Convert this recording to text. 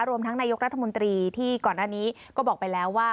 รวมทั้งนายกรัฐมนตรีที่ก่อนหน้านี้ก็บอกไปแล้วว่า